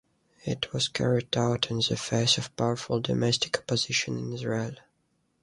It was carried out in the face of powerful domestic opposition in Israel.